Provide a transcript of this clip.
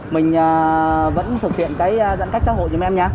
mình vẫn thực hiện cái giãn cách xã hội giùm em nha